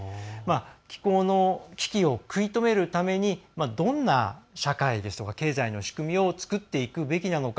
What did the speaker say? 気候の危機を食い止めるためにどんな社会ですとか経済の仕組みを作っていくべきなのか。